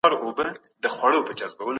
څنګه بندیان له خپلو حقونو برخمن کیږي؟